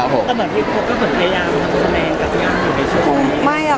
พี่เอ๊ยฮะพี่เอ๊ยฮะ